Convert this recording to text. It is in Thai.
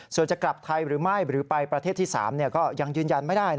ส่วนจะกลับไทยหรือไม่หรือไปประเทศที่๓ก็ยังยืนยันไม่ได้